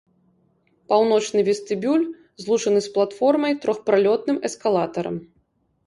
Паўночны вестыбюль злучаны з платформай трохпралётным эскалатарам.